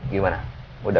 gak ada apa apa